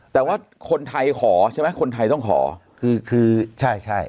แต่ว่าคนไทยขอใช่ไหมคนไทยต้องขอคือคือใช่ใช่